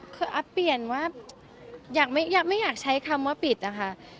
คืออัพเปลี่ยนว่าไม่อยากใช้คำว่าปิดนะคะ